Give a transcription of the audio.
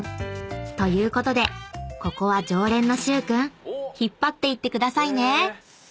［ということでここは常連の許君引っ張っていってくださいね］